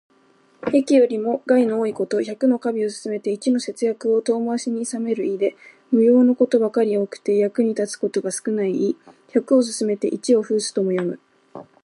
益よりも害の多いこと。百の華美を勧めて一の節約を遠回しにいさめる意で、無用のことばかり多くて、役に立つことが少ない意。「百を勧めて一を諷す」とも読む。